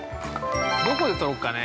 どこで撮ろうかね。